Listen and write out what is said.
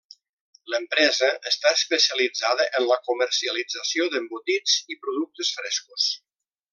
L'empresa està especialitzada en la comercialització d'embotits i productes frescos.